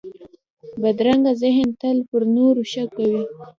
بدرنګه ذهن تل پر نورو شک کوي